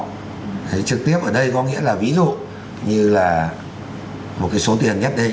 trực tiếp ở đây có nghĩa là ví dụ như là một cái số tiền nhất định